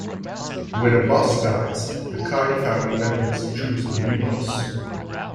When a boss dies the crime family members choose a new boss.